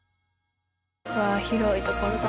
うわあ広い所だ。